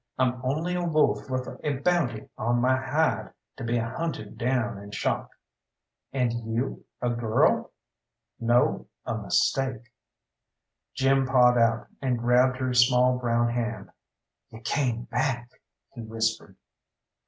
I'm only a wolf with a bounty on my hide, to be hunted down and shot." "And you a girl!" "No, a mistake!" Jim pawed out, and grabbed her small brown hand. "You came back," he whispered.